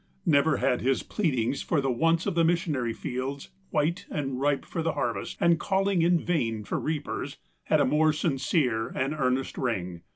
Never had his pleadings for the wants of the missionary fields, white and ripe for the harvest and calling in vain for rea^jers, had a more sincere and earnest ring.